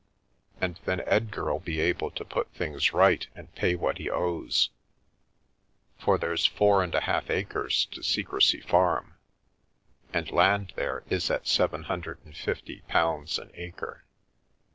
And then Edgarll be able to put things right and pay what he owes, for there's four and a half acres to Secrecy Farm, and land there is at £750 an acre."